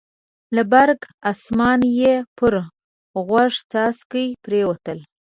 له برګ اسمانه یې پر غوږ څاڅکي پرېوتل.